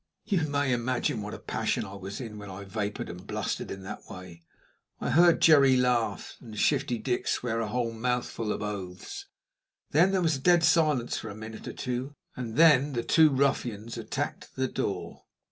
You may imagine what a passion I was in when I vapored and blustered in that way. I heard Jerry laugh and Shifty Dick swear a whole mouthful of oaths. Then there was a dead silence for a minute or two, and then the two ruffians attacked the door.